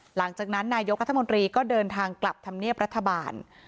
หลังจากนั้นนายกรัฐมนตรีก็เดินทางกลับธรรมเนียบรัฐบาล